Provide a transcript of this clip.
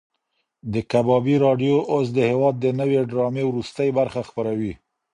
د کبابي راډیو اوس د هېواد د نوې ډرامې وروستۍ برخه خپروي.